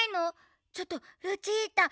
ちょっとルチータ！